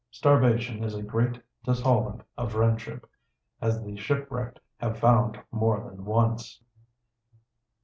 Starvation is a great dissolvent of friendship, as the shipwrecked have found more than once.